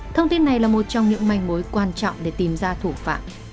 thông tin này là một trong những manh mối quan trọng để tìm ra thủ phạm